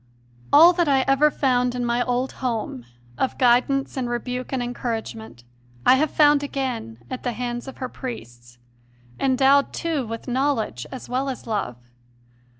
All that I ever found in my old home, of guidance and rebuke and encouragement, I have found again at the hands of her priests, endowed, too, with knowledge as well as love.